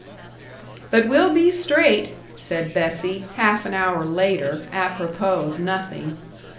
"But we'll be straight," said Bessie, half an hour later, apropos of nothing.